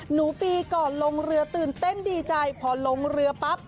ปีก่อนลงเรือตื่นเต้นดีใจพอลงเรือปั๊บ